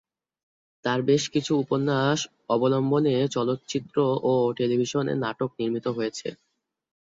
তার বেশ কিছু উপন্যাস অবলম্বনে চলচ্চিত্র ও টেলিভিশন নাটক নির্মিত হয়েছে।